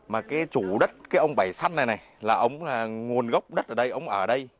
mà cái chủ đất cái ông bảy săn này này là ống là nguồn gốc đất ở đây ống ở đây